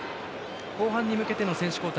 後半に向けての選手交代